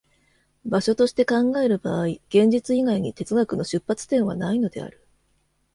場所として考える場合、現実以外に哲学の出発点はないのである。